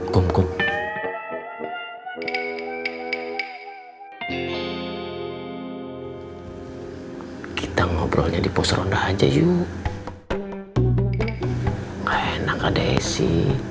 kungkup kita ngobrolnya di pos ronda aja yuk enak ada esi